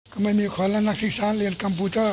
ไม่มีคนและนักศึกษาเรียนกัมพูเจ้า